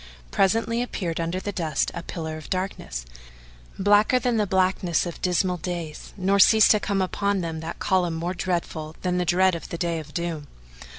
Presently appeared under the dust a pillar of darkness, blacker than the blackness of dismal days; nor ceased to come upon them that column more dreadful than the dread of the Day of Doom.